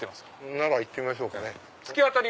なら行ってみましょうかね。